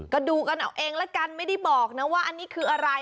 ก็ดูกันเอาเองละกันไม่ได้บอกนะว่าอันนี้คืออะไร